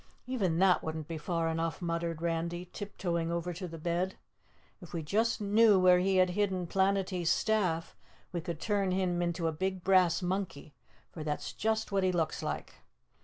"Even that wouldn't be far enough," muttered Randy, tiptoeing over to the bed. "If we just knew where he had hidden Planetty's staff we could turn him into a big brass monkey, for that's just what he looks like."